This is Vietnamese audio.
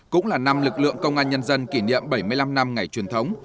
cũng là năm lực lượng công an nhân dân kỷ niệm bảy mươi năm năm ngày truyền thống